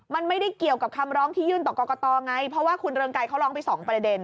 มันไม่ได้เกี่ยวกับคำร้องที่ยื่นต่อกรกตไงเพราะว่าคุณเรืองไกรเขาร้องไปสองประเด็น